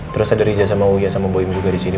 terus ada riza sama uya sama boyim juga disini